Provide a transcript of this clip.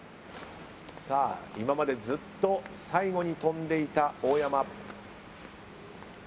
今までずっと最後に跳んでいた大山。